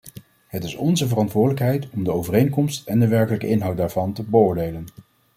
Het is onze verantwoordelijkheid om de overeenkomst en de werkelijke inhoud daarvan te beoordelen.